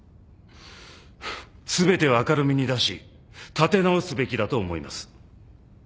全てを明るみに出し立て直すべきだと思います。